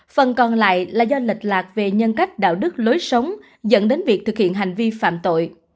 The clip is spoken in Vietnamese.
phần còn lại là do lệch lạc về nhân cách đạo đức lối sống dẫn đến việc thực hiện hành vi phạm tội